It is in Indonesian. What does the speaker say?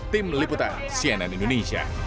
tim liputan cnn indonesia